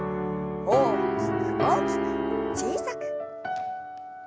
大きく大きく小さく。